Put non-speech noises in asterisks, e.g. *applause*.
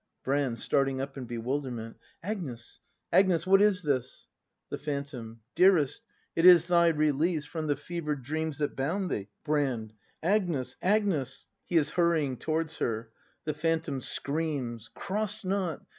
Brand. [Starting up in bewilderment.'] Agnes! Agnes! What is this? The Phantom. Dearest, it is thy release From the fever'd dreams that bound thee! Brand. Agnes ! Agnes ! [He is hurrying towards her. The Phantom. *noise* Cross not!